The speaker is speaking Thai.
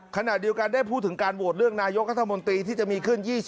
ขณะเดียวกันได้พูดถึงการโหวตเลือกนายกรัฐมนตรีที่จะมีขึ้น๒๐